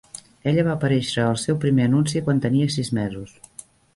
Ella va aparèixer al seu primer anunci quan tenia sis mesos.